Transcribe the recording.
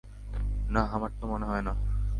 নাহ, আমার তো মনে হয় না।